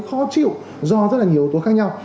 khó chịu do rất là nhiều tố khác nhau